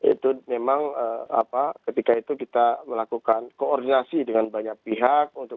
itu memang ketika itu kita melakukan koordinasi dengan banyak pihak